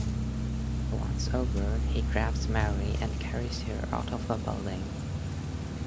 Once over, he grabs Mary and carries her out of the building.